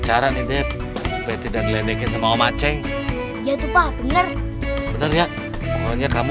cara nih beti dan lele sama om aceh ya tuh pak bener bener ya pokoknya kamu